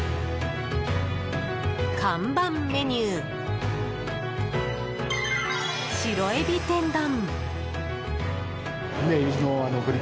看板メニュー、白えび天丼。